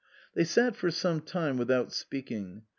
They sat for some time without speaking.